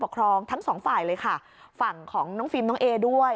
ครองทั้งสองฝ่ายเลยค่ะฝั่งของน้องฟิล์มน้องเอด้วย